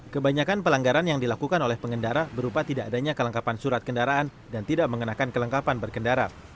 kebanyakan pelanggaran yang dilakukan oleh pengendara berupa tidak adanya kelengkapan surat kendaraan dan tidak mengenakan kelengkapan berkendara